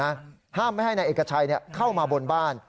ขู่นะห้ามไม่ให้นายเอกชัยเนี่ยเข้ามาบนบ้าน